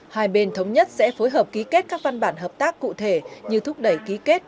hai bên thống nhất sẽ phối hợp ký kết các văn bản hợp tác cụ thể như thúc đẩy ký kết